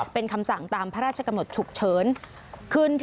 เป็นคำสั่งตามพระราชกำหนดฉุกเฉิน